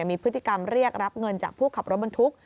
มีพฤติกรรมเรียกรับเงินจากผู้ขับรถบรรทุก